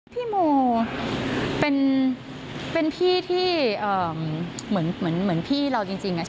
พี่โมเป็นเป็นพี่ที่เอ่อเหมือนเหมือนพี่เราจริงน่ะ